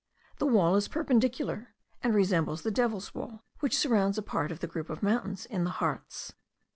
The wall is perpendicular, and resembles the Devil's Wall, which surrounds a part of the group of mountains in the Hartz.